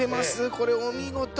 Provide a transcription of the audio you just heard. これお見事！